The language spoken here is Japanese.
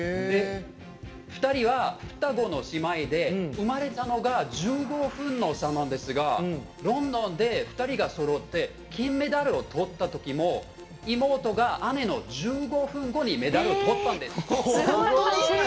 ２人は双子の姉妹で生まれたのが１５分の差なんですがロンドンで２人がそろって金メダルをとったときも妹が姉の１５分後にメダルをとったんです。